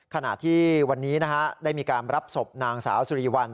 ขณะที่วันนี้ได้มีการรับศพนางสาวสุริวัล